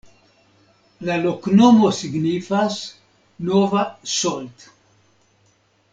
La loknomo signifas: nova-Solt.